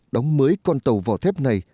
đóng mới con tàu vỏ thép này